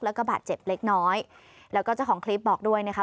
แล้วก็บาดเจ็บเล็กน้อยแล้วก็เจ้าของคลิปบอกด้วยนะคะ